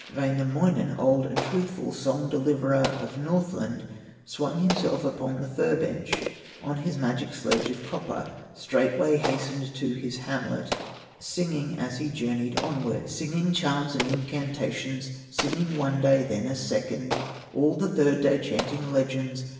Wainamoinen, old and truthful, Song deliverer of Northland, Swung himself upon the fur bench Of his magic sledge of copper, Straightway hastened to his hamlet, Singing as he journeyed onward, Singing charms and incantations, Singing one day, then a second, All the third day chanting legends.